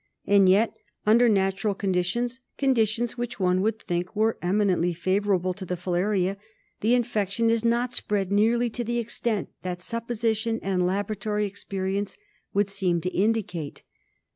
And yet under natural conditions, conditions which one would think were eminently favourable to the filaria, the infection is not spread nearly to the extent that supposition and laboratory experience would seem to indicate.